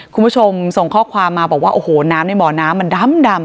คุณผู้ชมข้อความมาบอกว่าอโหน้ำในหมอน้ำมันดำดำ